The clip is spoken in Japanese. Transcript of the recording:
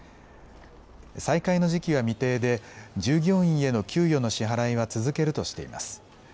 再開の時期は未定で従業員への給与の支払いは続けるとしています。